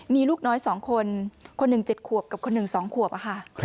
มีลูกน้อยสองคนคนหนึ่งเจ็ดขวบกับคนหนึ่งสองขวบค่ะ